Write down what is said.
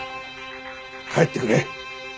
帰ってくれ。